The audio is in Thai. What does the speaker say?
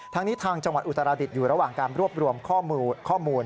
ทางนี้ทางจังหวัดอุตราดิษฐ์อยู่ระหว่างการรวบรวมข้อมูล